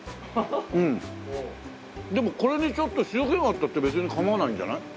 でもこれにちょっと塩気があったって別に構わないんじゃない？